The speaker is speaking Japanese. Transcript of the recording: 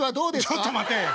ちょっと待て。